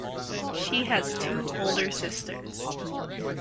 She has two older sisters.